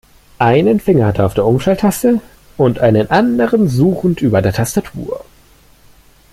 Einen Finger hat er auf der Umschalttaste und einen anderen suchend über der Tastatur.